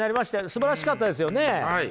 すばらしかったですよね。